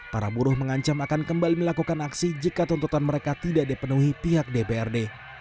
para buruh mengancam akan kembali melakukan aksi jika tuntutan mereka tidak dipenuhi pihak dprd